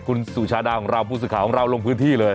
คุณสู้ชาได้หลังราวภูมิศรีขาของเราลงพื้นที่เลย